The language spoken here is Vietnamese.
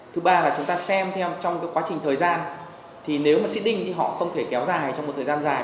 thứ ba là chúng ta xem thêm trong cái quá trình thời gian thì nếu mà sitting thì họ không thể kéo dài trong một thời gian dài